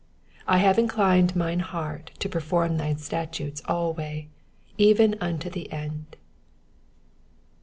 112 I have inclined mine heart to perform thy statutes alway, even unto the end.